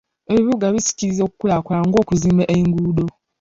Ebibuga bisikiriza enkulaakulana ng'okuzimba enguudo.